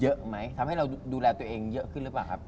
เยอะไหมทำให้เราดูแลตัวเองเยอะขึ้นหรือเปล่าครับ